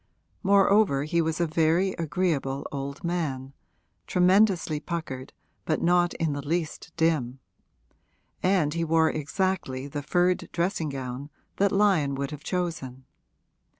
Moreover he was a very agreeable old man, tremendously puckered but not in the least dim; and he wore exactly the furred dressing gown that Lyon would have chosen.